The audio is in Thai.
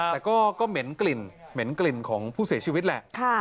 แต่ก็เหม็นกลิ่นเหม็นกลิ่นของผู้เสียชีวิตแหละ